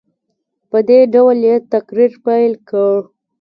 په دې ډول یې تقریر پیل کړ.